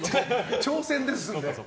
挑戦ですので。